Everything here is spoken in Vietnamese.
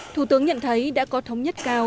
thủ tướng nhận thấy đã có thống nhất cao